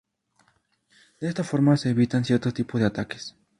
De esta forma se evitan cierto tipo de ataques.